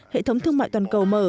hệ thống thương mại toàn cầu mở